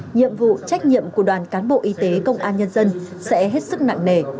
nhiệm vụ trách nhiệm của đoàn cán bộ y tế công an nhân dân sẽ hết sức nặng nề